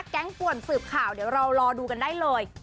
ป่วนสืบข่าวเดี๋ยวเรารอดูกันได้เลย